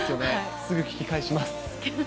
すぐ聴き返します。